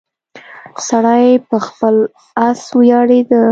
سړی په خپل اس ویاړیده.